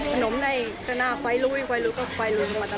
น้ำให้ก็หน้าควายลุยควายลุยก็ควายลุยมาตลอดเลย